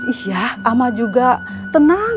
iya ama juga tenang